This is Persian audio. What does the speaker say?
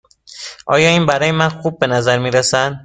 آیا این برای من خوب به نظر می رسد؟